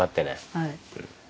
はい。